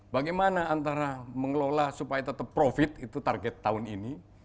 bagaimana antara mengelola supaya tetap profit itu target tahun ini